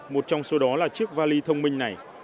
một trong số đó là chiếc vali thông minh này